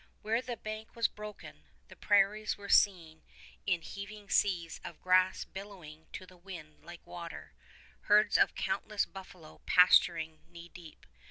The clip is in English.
Where the bank was broken, the prairies were seen in heaving seas of grass billowing to the wind like water, herds of countless buffalo pasturing knee deep.